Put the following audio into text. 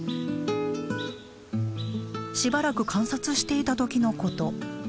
しばらく観察していた時のこと。